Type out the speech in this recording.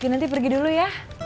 kinanti pergi dulu ya